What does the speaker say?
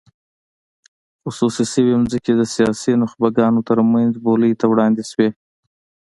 خصوصي شوې ځمکې د سیاسي نخبګانو ترمنځ بولۍ ته وړاندې شوې.